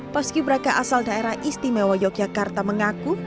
paski braka asal daerah istimewa yogyakarta mengaku